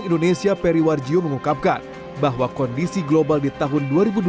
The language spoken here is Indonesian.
guna menjaga pertumbuhan ekonomi di kawasan